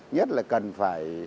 nhất là cần phải